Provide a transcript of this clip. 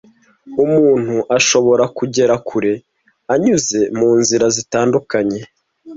Umuntu ashobora kugera kure anyuze mu nzira zitandukanye